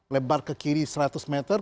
lebar ke kiri seratus meter